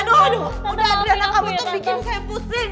aduh udah adriana kamu tuh bikin saya pusing